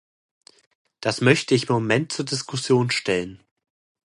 Das möchte ich im Moment zur Diskussion stellen.